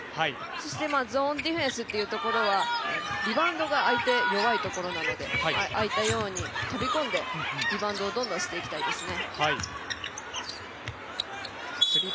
そしてゾーンディフェンスというところはリバウンドがあいて弱いところなので、飛び込んで、リバウンドをどんどんしていきたいですね。